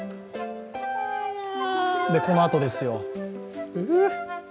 このあとですよ。